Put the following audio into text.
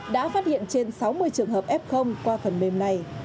đã phát hiện trên sáu mươi trường hợp f qua phần mềm này